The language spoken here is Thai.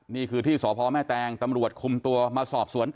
นี่คือที่สพแม่แตงตำรวจคุมตัวมาสอบสวนต่อ